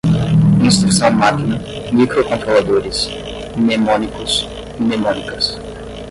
instrução-máquina, microcontroladores, mnemônicos, mnemônicas